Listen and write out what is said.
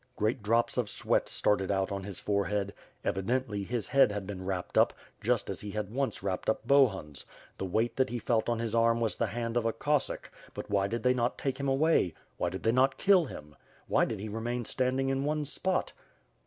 Great drops of sweat started out on his forehead. Evi dently, his head had been wrapped up; just as he had once wrapped up Bohun's. The weiglit that he felt on his arm was the hand of a Cossack, but why did they not take him away? Why did they not kill him? Why did he remain standing in one spot?